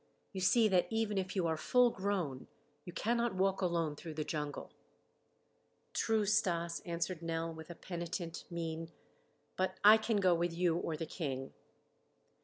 You see that even if you are full grown, you cannot walk alone through the jungle." "True, Stas," answered Nell with a penitent mien, "but I can go with you or the King."